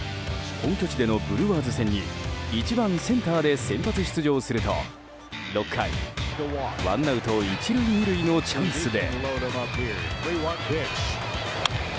本拠地でのブルワーズ戦に１番センターで先発出場すると６回、ワンアウト１塁２塁のチャンスで。